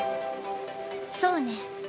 そうね。